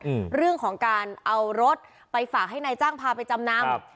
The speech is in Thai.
อืมเรื่องของการเอารถไปฝากให้นายจ้างพาไปจำนำครับ